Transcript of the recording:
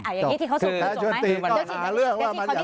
คือแฟ้ชนตีก่อนอาเรื่องว่ามันอยากพูดอย่างนี้แหละ